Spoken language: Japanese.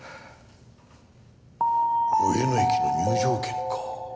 上野駅の入場券か。